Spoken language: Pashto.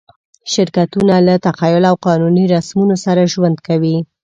شرکتونه له تخیل او قانوني رسمونو سره ژوند کوي.